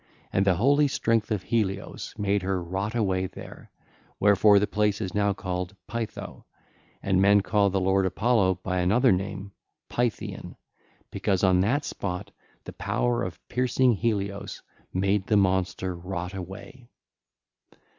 And the holy strength of Helios made her rot away there; wherefore the place is now called Pytho, and men call the lord Apollo by another name, Pythian; because on that spot the power of piercing Helios made the monster rot away.